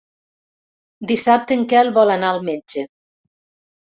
Dissabte en Quel vol anar al metge.